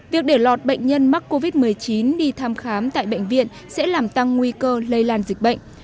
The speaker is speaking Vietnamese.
việc để lọt bệnh nhân mắc covid một mươi chín đi thăm khám tại bệnh viện sẽ làm tăng nguy cơ lây lan dịch bệnh